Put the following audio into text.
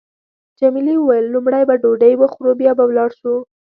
جميلې وويل: لومړی به ډوډۍ وخورو بیا به ولاړ شو.